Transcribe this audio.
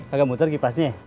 kagak muter kipasnya